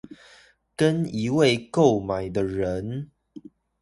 跟一位購買的人